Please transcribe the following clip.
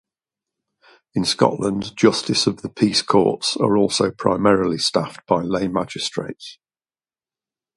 In Scotland Justice of the Peace Courts are also primarily staffed by lay magistrates.